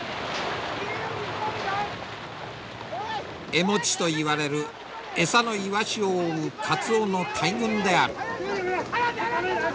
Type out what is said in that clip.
エモチといわれる餌のイワシを追うカツオの大群である。